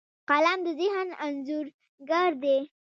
قلم د ذهن انځورګر دی